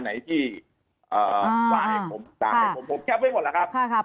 อันไหนที่ว่าให้ผมต่างกับผมผมแคปไว้หมดแล้วครับ